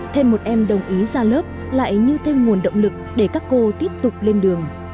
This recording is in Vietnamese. thêm một em đồng ý ra lớp lại như thêm nguồn động lực để các cô tiếp tục lên đường